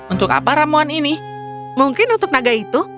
untuk apa ramuan ini mungkin untuk naga itu